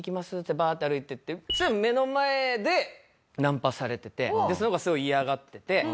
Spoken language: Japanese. バーッて歩いてってそしたら目の前でナンパされててその子はすごい嫌がってて。